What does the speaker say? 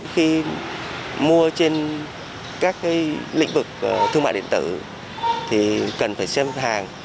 khi mua trên các cái lĩnh vực thương mại điện tử thì cần phải xem hàng